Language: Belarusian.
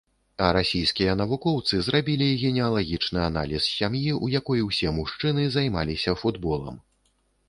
А расійскія навукоўцы зрабілі генеалагічны аналіз сям'і, у якой усе мужчыны займаліся футболам.